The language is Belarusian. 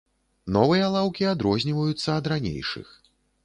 Новыя лаўкі адрозніваюцца ад ранейшых.